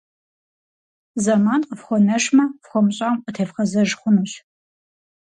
Зэман кьыфхуэнэжмэ, фхуэмыщӏам къытевгъэзэж хъунущ.